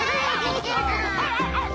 ハハハハハ！